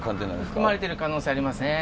含まれてる可能性ありますね。